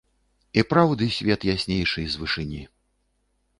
І праўды свет яснейшы з вышыні.